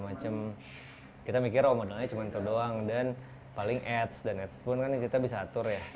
macem kita mikir omongannya cuman itu doang dan paling ads dan it's pun kan kita bisa atur ya